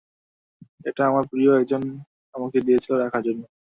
এটা আমার প্রিয় একজন আমাকে দিয়েছিলো রাখার জন্য।